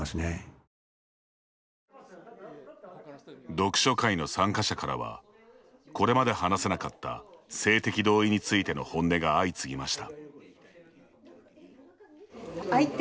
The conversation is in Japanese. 読書会の参加者からはこれまで話せなかった性的同意についての本音が相次ぎました。